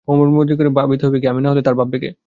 হরিমোহিনী কহিলেন, ভাবতে হয় বৈকি, আমি না হলে আর ভাববে কে?